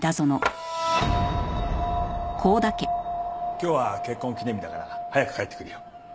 今日は結婚記念日だから早く帰ってくるよ。